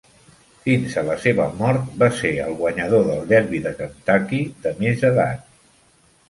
Fins a la seva mort, va ser el guanyador del Derby de Kentucky de més edat.